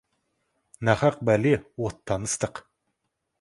Нақақ бәле оттан ыстық.